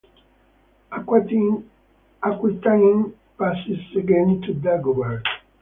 Aquitaine passed again to Dagobert.